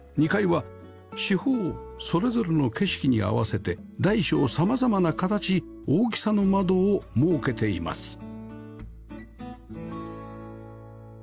２階は四方それぞれの景色に合わせて大小様々な形大きさの窓を設けています